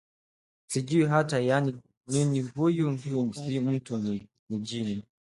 sijui hata yana nini yani huyu si mtu ni jini"